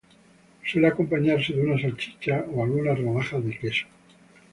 Suele acompañarse de una salchicha o algunas rodajas de queso